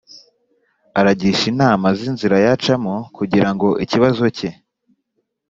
Aragisha inama z inzira yacamo kugirango ikibazo ke